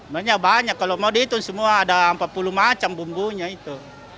banyak kalau mau dihitung semua ada empat puluh macam bumbunya itu